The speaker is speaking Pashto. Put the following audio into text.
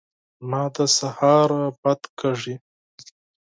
زما د سهاره بد کېږي !